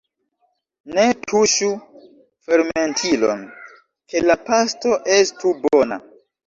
Ne tuŝu fermentilon, ke la pasto estu bona!